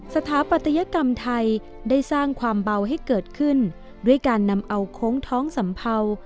สถาปัตยกรรมไทยได้สร้างความเบาให้เกิดขึ้นด้วยการนำเอาโค้งท้องสัมเภา